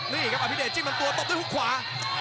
นี่ครับอภิเดชจิ้มลำตัวตบด้วยฮุกขวา